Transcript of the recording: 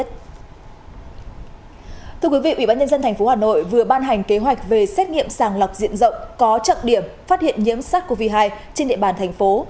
thưa quý vị ủy ban nhân dân tp hà nội vừa ban hành kế hoạch về xét nghiệm sàng lọc diện rộng có trọng điểm phát hiện nhiễm sars cov hai trên địa bàn thành phố